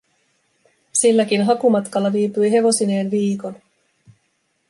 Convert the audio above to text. Silläkin hakumatkalla viipyi hevosineen viikon.